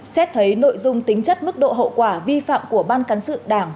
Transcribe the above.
xét thấy nội dung tính chất mức độ hậu quả vi phạm của ban cán sự đảng